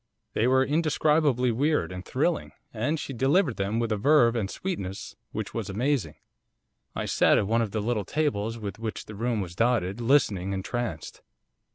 They were indescribably weird and thrilling, and she delivered them with a verve and sweetness which was amazing. I sat at one of the little tables with which the room was dotted, listening entranced.